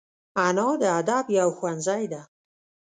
انا د ادب یو ښوونځی ده